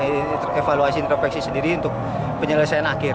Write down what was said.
dia ada evaluasi intrafeksi sendiri untuk penyelesaian akhir